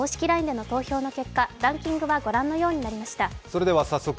ＬＩＮＥでの投票の結果、ランキングはご覧のようになりました。